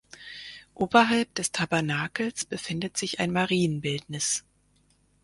Oberhalb des Tabernakels befindet sich ein Marienbildnis.